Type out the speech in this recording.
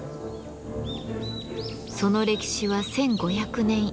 その歴史は１，５００年以上。